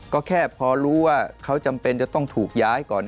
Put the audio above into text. ก็แค่พอรู้ว่าเขาจำเป็นจะต้องถูกย้ายก่อน